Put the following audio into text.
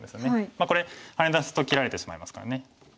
まあこれハネ出すと切られてしまいますからね。